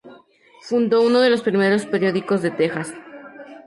Fundó uno de los primeros periódicos de Texas.